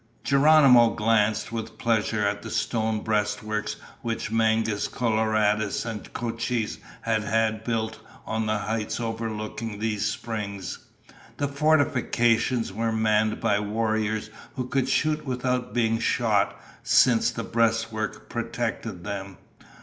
Geronimo glanced with pleasure at the stone breastworks which Mangus Coloradus and Cochise had had built on the heights overlooking these springs. The fortifications were manned by warriors who could shoot without being shot, since the breastworks protected them.